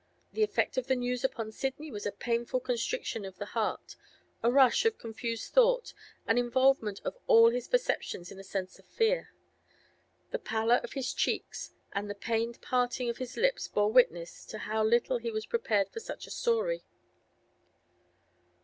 The effect of the news upon Sidney was a painful constriction of the heart, a rush of confused thought, an involvement of all his perceptions in a sense of fear. The pallor of his cheeks and the pained parting of his lips bore witness to how little he was prepared for such a story.